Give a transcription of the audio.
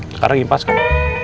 sekarang impas kan